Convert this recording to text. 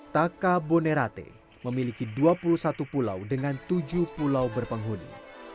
taka bonerate memiliki dua puluh satu pulau dengan tujuh pulau berpenghuni